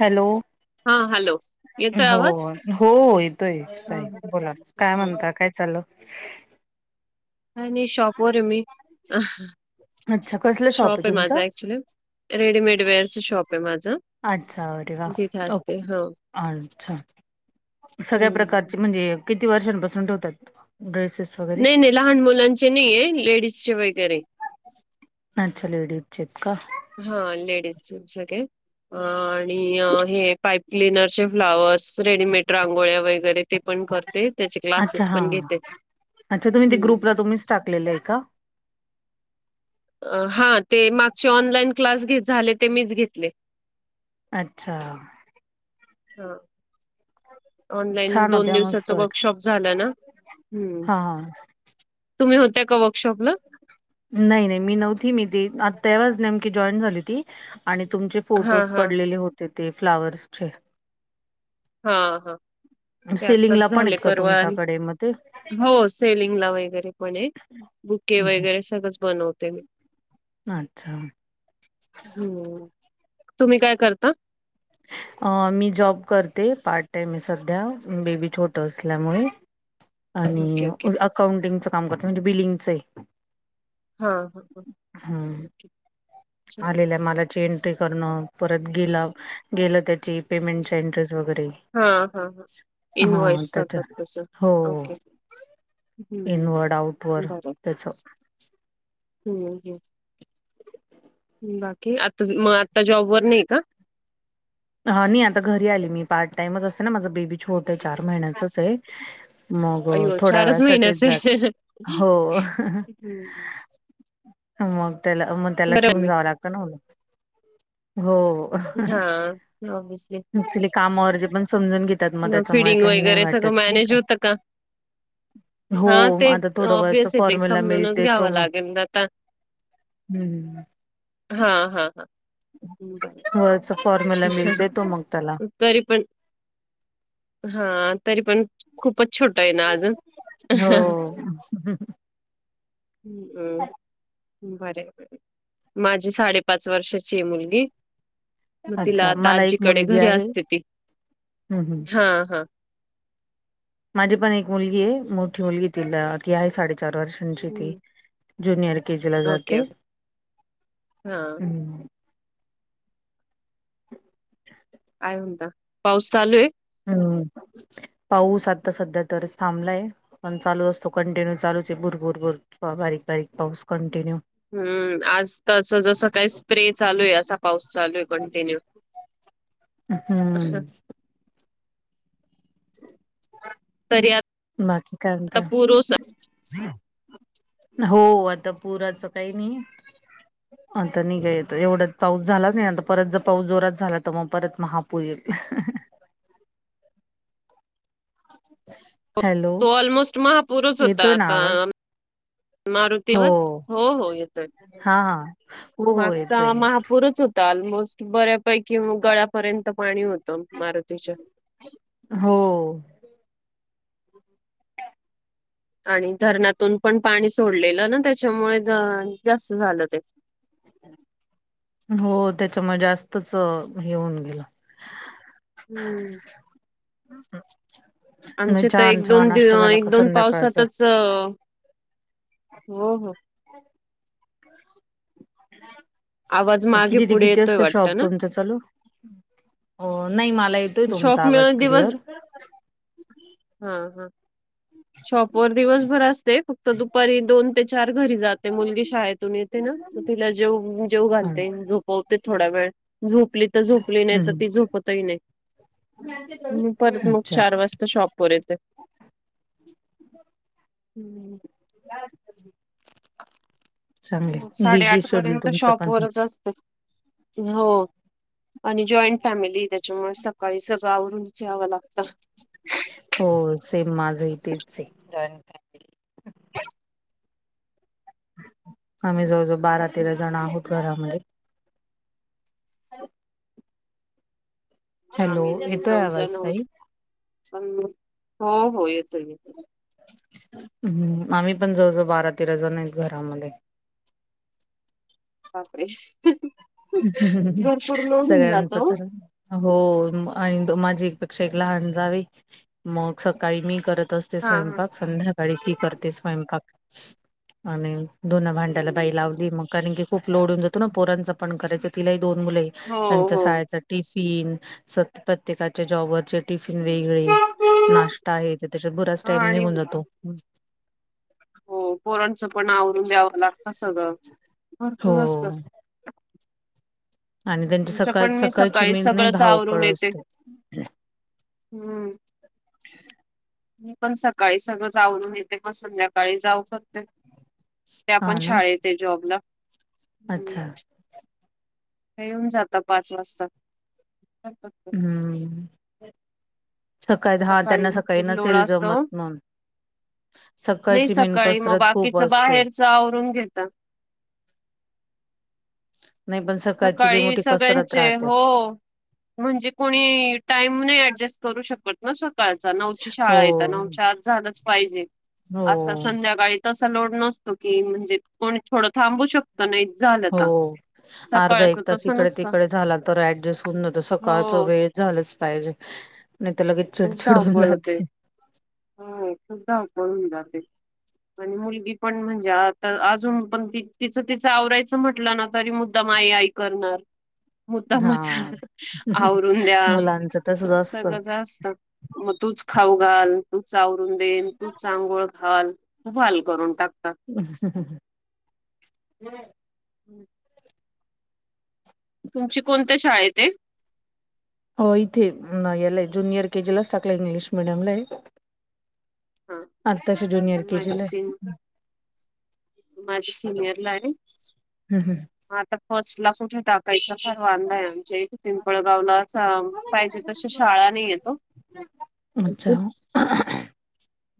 Hello? हा hello. येतोय हो आवाज? हो, येतोय येताय, हां, हां. बोला काय हो. म्हणता? काय चाललं? काय नाही शॉपवर आहे मी, अच्छा कसलं शॉप आहे माझा तुमचं? ऍक्च्युली. रेडीमेड वेेअरचं शॉप आहे माझं. अच्छा, अरे वा, तिथे ओक असते. हो. अच्छा. सगळ्या हं. प्रकारचे म्हणजे, किती वर्षांपासून ठेवतात ड्रेसेस? वगैरे नाही, नाही, लहान मुलांचे नाहीये लेडीजचे वगैरे. अच्छा लेडीजचे आहेत का? हा लेडीज शिक्षक हे. आणि हे पाईप क्लिनरचे फ्लावर्स, रेडीमेड रांगोळ्या वगैरे ते पण करते. ते त्याचे अच्छा क्लासेस हा पण घेते अच्छा तुम्ही ते हुं. ग्रुपला तुम्हीच टाकलेलं आहे का? हा ते मागचे ऑनलाईन क्लास घेत झाले, ते मीच घेतले. अच्छा! हा. ऑनलाईन छान दोन होत्या दिवसाच मस्त वाट वर्कशॉप झालं ना. हुं. हा हा तुम्ही होत्या का वर्कशॉपला? नाही नाही, मी नव्हती मी ती आ तेवाच नेमकी जॉईन झाली ती आणि तुमचे हां, फोटोज हां. पडलेले होते, ते फ्लावर्सचे हा हा. ते आत्ताच सेलिंगला पण झाले आहेत का परवान, तुमच्याकडे मग ते हो सेलिंग ला वगैरे पण ये. बुके हं, हं. वगैरे सगळंच बनवते मी. अच्छा. हं. तुम्ही काय करता? अ मी जॉब करते, पार्ट टाइम आहे सध्या. बेबी छोट असल्यामुळे. आणि ओके, ओके. अकाउंटिंगचं काम करत म्हणजे बिलिंगच ये. हां, हां, हां. हुं. ओके. चालेल. आलेल्या माला ची एंट्री करण, परत गेला गेलं त्याची पेमेंटच्या एंट्रीज वगैरे हां, हां, हां. हा इन्व्हॉइस करतात त्याच्याच तसं. हो. ओके. हं. इनवरड, आउटवरर् त्याच हुं. हू. बाकी, आता मग आता जॉब वर नाही का? हा नाही, आता घरी आली मी पार्ट टाइमच असते ना, माझा बेबी छोट आहे चार महिन्याचच आहे. मग अ, अय्यो! थोड्या चारच वेळासाठीच महिन्याच जात ये [inaudible] हो. मग त्याला त्याला बरं ठेवून मी. जावं लागतं ना मला. हो, हां. ऑब्व्हियसली. ऍक्च्युली कामावरजी पण समजून घे त्यात मग त्याच्यामुळे, फिडिंग काही नाही वगैरे वाटत सगळं नाही मॅनेज का? होतं हो, हां, ते आता थोडं वरच ऑब्व्हियस आहे ते फॉर्म्युला मिल्क समजूनच देतो घ्यावं मग. लागेल आता. हू हू. हां हां हां बरं. वरच फॉर्म्युला मिलक देतो मग त्याला. तरी पण, हा तरी पण, खूपच छोट आहे ना आ हो ओ. [inaudible] उं. बरय बरय, माझी साडेपाच वर्षाची ये मुलगी. मग तिला अच्छा आता मला एक आजीकडे मुलगी घरी आहे असते ती. हम्म हम्म. हा हा. माझी पण एक मुलगी ये, मोठी मुलगी तिला, ती आहे साडेचार वर्षांची ती. हं. ज्युनियर के जी ला ओके, जाते ओके. हां. हुं. उ [inaudible] काय म्हणता? पाऊस चालू ये? हुं. पाऊस आता सध्या तर थांबलाय. पण चालू असतो कंटिन्यू चालूच आहे, भूर भूर भूर बारीक बारीक पाऊस कंटिन्यू, हूम्म आज तस जसं काही स्प्रे चालू ये असा पाऊस चालू आहे कंटिन्यू. [inaudible] हू! तरी आता बाकी काय म्हणताय. पूर ओस हो आता पुराचं काही नही. [inaudible] आता नही काही आता एवढ्यात पाऊस झालाच नही, आता परत जर पाऊस जोरात झाला त म परत महापूर येईल. [inaudible] तो-तो ऑलमोस्ट महापुरुच होता येतोय ना आता आवाज मारु हो तेवाच, हो हो येतोय हा हा हो हो येतोय मागचा ना महा पुूरच होता ऑलमोस्ट बऱ्यापैकी गळयापर्यंत पाणी होतं मारुतीच्या. हो! आणि धरणातून पण पाणी सोडलेलं ना त्याच्यामुळे द जास्त झालं ते. हो त्याच्यामुळे जास्तच हे हेऊन गेलं. हू! [inaudible] नाही आमचे त छान एक छान दोन नाश्ता दिव झाला एक का दोन संध्याकाळचा पावसातच हो हो! आवाज मं मागे किती ते पुढे कितं येतोय असत शॉप वाटतं ना तुमचं चालू? हो नाही माला येतोय शॉप तुमचा आवाज मिळून दिवस क्लिअर. हा हा शॉपवर दिवसभर असते फक्त दुपारी दोन ते चार घरी जाते मुलगी शाळेतून येते ना, तिला जेवू-जेवू हम्म. घालते नं झोपवते थोडा वेळ. झोपली त झोपली नाही त हम्म. ती झोपतही नाही. हू परत मग अच्छा चार वाजता शॉपवर येत. हू! [unintelligible] चांगले मं बिझी साडेआठ शेड्यूल पर्यंत तुमचं शॉप पण वरच अस ते हो आणि जॉईंट फॅमिली ये त्याच्यामुळे सकाळी सगळं आवरून च यावं लागत. हो सेम माझं ही य तेच हे. आम्ही जवळ जवळ बारा हम्म, तेरा जण आहोत घरामध्ये. हॅलो! आम्हीन येतोय नऊजण आवाज आहोत ताई? पन मग, हो हो येतोय येतो. हू आम्ही पण जवळ जवळ बारा तेरा जण आहेत घरामध्ये. बापरे! भरपूर लोड होऊन सगळ्यांच जातो. करा. हो न मं आणि माझी एकपेक्षा एक लहान जाव हे मग सकाळी मी करत असते हां, हां. स्वयंपाक, संध्याकाळी ती करते स्वयंपाक आणि धुन भांड्याला हं. बाई लावली मग कारण की खूप लोड येऊन जातो नां पोरांच पण करायचं. तिला ही दोन मुल ये, हो त्यांच्या हो. शाळेचा टिफिन स प्रत्येकाच्या जॉबवरचे टिफिन वेगळे हा नाश्ता आहे, तर त्याच्यात बराच टाइम आणि निघून जातो. हो पोरांचं पण आवरून द्यावं लागतं सगळं हो भरपूर असत. आणि त्यांची आमचं सकाळ पण मी सकाळची सकाळी मेन नाही सगळंच आवरून धावपळ येते असते हू! मी पण सकाळी सगळंच आवरून येते मग संध्याकाळी जावं करते. त्यां हा पण ना शाळेत हे जॉबला. अच्छा त्यां येऊन जातां पाच वाजता. ते. हू सकाळी दहा त्यांना सकाळी भरपूर लोड नसेल असतो जमत ओ. नां. सकाळची मेन कसरत खूप असते. वरून घेता नाही पण सकाळची लई सकाळी मोठी कसरत सगळ्यांचे राहते हो म्हणजे कोणी टाईम नाय ऍडजस्ट करू शकत न सकाळचा नऊची हो शाळा ये त नऊच्या आत झालच पाहिजे हो अस संध्याकायी तसा लोड नसतो की म्हणजे कोणी थोड थांबू शकत नायीज झाल त हो अर्धा एक तास इकडे तिकडे झाला तर ऍडजस्ट होऊन जात हो सकाळचा वेळ झालंच पाहिजे नायी त लगेच खूप चिडचिड होऊन धावपळ होते. जाते. हो खुप धावपळ हुन जाते आण मुलगी पण म्हणजे आता अजून पण त तिच तिच आवरायच म्हटल ना? तरी मुद्दाम आई आई करणार हा मुद्दामच आवरून द्या मुलांच तसच असतं. सगळच असत मग तूच खाऊ घाल तू च आवरून दे अन तूच अंघोळ हाल खूप हाल करून टाकतात. [unintelligible] हम् कोणत्या शाळेत ये? अ इथे ये याला ये ज्युनियर केजी लाच टाकलय इंग्लिश मिडियमला ये. हा आताशी ज्युनिअर के जी माझी लाये माजी सिनियर ला ये हं हं. आता फर्स्ट ला कुठे टाकायचा फार वांदा ये आमच्या इथ पिंपळगावला चा पाहिजे तशी शाळा नायी येवो. [inaudible] अच्छा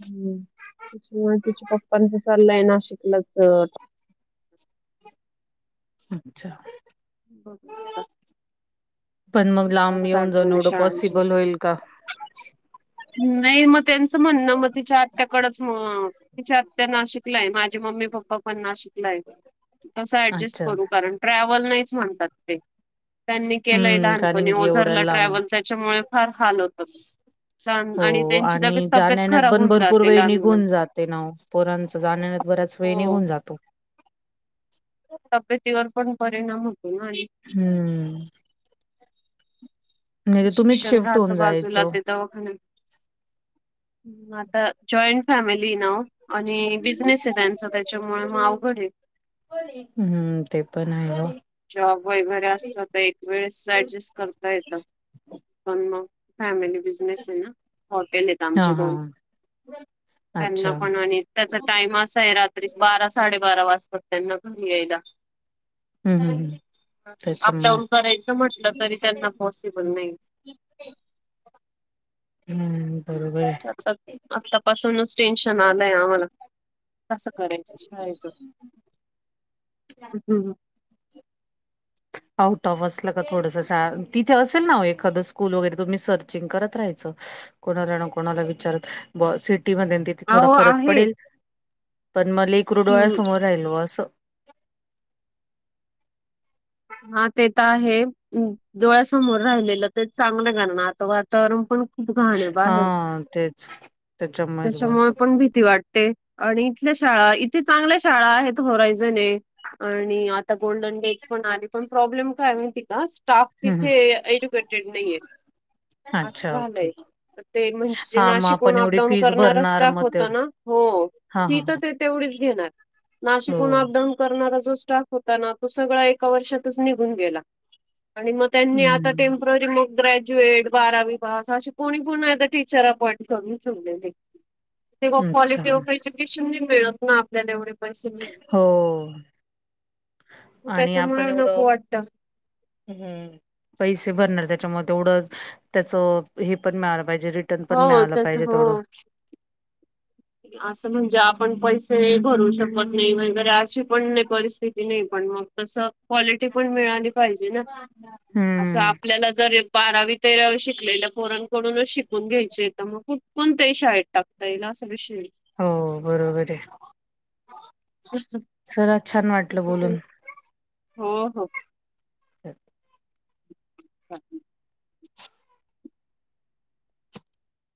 अम्म त्याच्यामुळे तिच्या पप्पांच चाललय नाशिकलाच अ - अच्छा बघू आता, पण मग लांब येऊन जाऊन एवढ पॉसिबल होईल का? नायी मग त्यांच म्हणण मग तिच्या आत्याकडच म तिची आत्या नाशिकलाये माझे मम्मी पप्पा पण नाशिकलाये तस ऍडजस्ट अच्छा करू कारण ट्रॅव्हल नाइच म्हणतात ते त्यांनी केलय हम्म लहानपणी कारण की एवढं ओझरला लांब ट्रॅव्हल त्याच्यामुळे फार हाल होतात. लहान आणि हो त्यांची आणि लगेच तब्येत जाण्या येण्यात खराब पण होऊन भरपूर जाते वेळ लहान निघून मुलांची. जातो ना वो. पोरांच जाण येण्यात बराच वेळ हो निघून जातो. तब्यतीवर पण परिणाम होतो ना आणि हम्म म्हणजे तुम्हीच शिक्षण शिफ्ट राहत होऊन बाजूला जायचं. ते दवाखाने ह म आता जॉईंट फॅमिली ना वो. आणि बिझनेस ये त्यांचा त्याच्यामुळे मग अवघड ये. हम्म ते पण आहे वो. जॉब वगैरे असल तर एक वेळेस ऍडजस्ट करता येत. पण मग फॅमिली बिझनेस ये ना. हॉटेल येत आमचे हां दोन हां. त्यांना अच्छा. पण आणि त्याचा टाइम असा ये रात्री बारा साडे बारा वाजता त्यांना घरी यायला. हं हं हं. त्याच्यामुळे अपडाऊन करायच म्हटल तरी त्यांना पॉसिबल नायीये. हम्म बरोबर ये. आ आतापासूनच टेन्शन आलय आम्हाला कस करायच शाळेच? हू आउट ऑफ असलं का थोडसं शाळा तिथे असेल ना ओ एखादं स्कूल वगैरे तुम्ही सर्चिंग करत राहायचं. कोणाला ना कोणाला विचारत बुवा सिटी मध्ये अन तिथे थोडा अहो फरक आहे पडेल. पण म लेकरू डोळ्या हम्म समोर राहिल असं हा ते तर आहे डोळ्यासमोर राहिलेलं तेच चांगल कारण आता वातावरण पण खूप घाण हे बाहेर हां तेच त्याच्यामुळेच बुवा त्याच्यामुळे असं. पण भीती वाट ते आणि इथल्या शाळा इथे चांगल्या शाळा आहेत होरायजण हे आणि आता गोल्डन डेज पण आली पण प्रॉब्लेम काय माहिती का स्टाफ हं हं. तिथे एज्युकेटेड नाहीेये. अच्छा ओके ते म्हणजे जे हां मग नाशिकहुन आपण एवढी अपडाऊन फीज करणारा भरणार स्टाफ मग होता तेवढं ना हो हां की हीत हां तर हां. ते तेवढीच घेनार नाशिकहुन हो. अपडाऊन करणारा जो स्टाफ होता ना तो सगळा ए एका वर्षातच निघून गेला आणि मग त्यांनी आता ते हम्म. मग ग्रॅज्युएट बारावी पास अशे कोणी पण ऍज अ टीचर अपॉइंट करून ठेवलेले तेव्हा अच्छा. क्वालिटी ऑफ एज्युकेशन नाही मिळत ना आपल्याला एवढे पैसे मिळून. हो मग आणि आपण त्याच्यामुळे एवढं नको वाटतं. हम्म पैसे भरणार त्याच्यामुळे तेवढं त्याच हे पण मिळालं पाहिजे री टन पण हो मिळायला त्याच पाहिजे तेवढं हो. असं म्हणजे आपण पैसे भरू शकत नाही बर अशी पण नाही परिस्थिती नाही पण मग तसं काॅलिटी पण मिळाली पाहिजे ना असं हम्म आपल्याला जर ए बारावी तेरावी शिकलेल्या पोरांकडूनच शिकून घ्यायचे तर मग कुठ पण ते शाळेत टाकता येईल असा विष हम्म हो बरोबर आहे चला छान वाटलं बोलून हो हो ह [inaudible] [unintelligible]